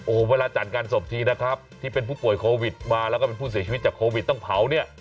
โอ้โหเวลาจัดการศพทีนะครับที่เป็นผู้ป่วยโควิดมาแล้วก็เป็นผู้เสียชีวิตจากโควิดต้องเผาเนี่ย